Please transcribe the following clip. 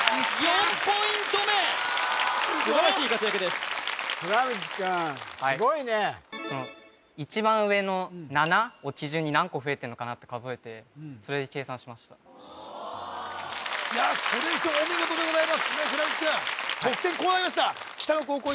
すごいねこの一番上の７を基準に何個増えてんのかなって数えてそれで計算しましたいやそれにしてもお見事でございます倉光君得点こうなりました北野高校